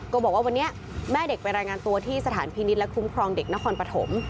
บอกว่าวันนี้แม่เด็กไปรายงานตัวที่สถานพินิษฐ์และคุ้มครองเด็กนครปฐม